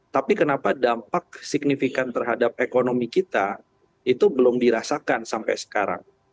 tapi kenapa dampak signifikan terhadap ekonomi kita itu belum dirasakan sampai sekarang